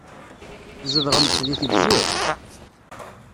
Tzedɣemt deg Tegzirt?